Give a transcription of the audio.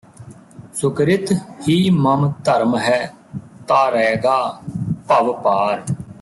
ਸੁਕਿਰਿਤ ਹੀ ਮਮ ਧਰਮ ਹੈ ਤਾਰੈਗਾ ਭਵ ਪਾਰ